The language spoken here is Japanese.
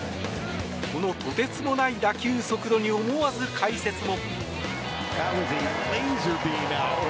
このとてつもない打球速度に思わず解説も。